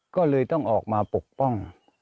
ก็เลยต้องออกมาปกป้อง